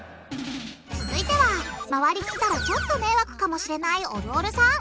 続いては周りにいたらちょっと迷惑かもしれないおるおるさん。